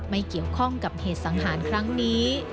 ไม่เกี่ยวข้องกับเหตุสังหารครั้งนี้